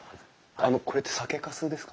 あのこれって酒かすですか？